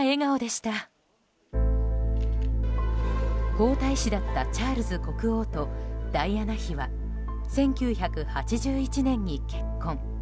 皇太子だったチャールズ国王とダイアナ妃は１９８１年に結婚。